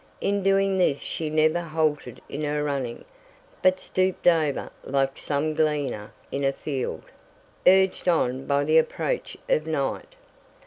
In doing this she never halted in her running, but stooped over, like some gleaner in a field, urged on by the approach of night.